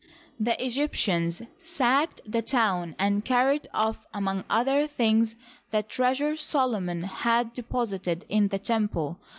The Egyptians sacked the town and carried off, among other things, the treasure Solomon had deposited in the temple.